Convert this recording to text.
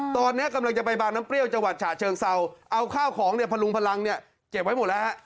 ตอนนี้กำลังจะไปบางน้ำเปรี้ยวจังหวัดฉะเชิงเซาเอาข้าวของเนี่ยพลุงพลังเนี่ยเก็บไว้หมดแล้วฮะ